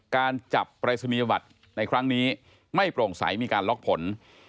การจับปรายศนียบัตรในครั้งนี้ไม่โปร่งใสมีการล็อกผล